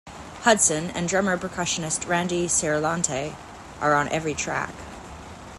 Hudson and drummer-percussionist Randy Ciarlante are on every track.